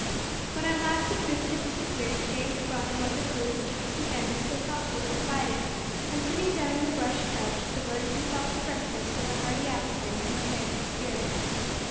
When at last the troops had disappeared, Shank bethought him of the food which Hunky Ben had so thoughtfully provided, and, sitting down on the brush couch, devoted himself to breakfast with a hearty appetite and a thankful spirit.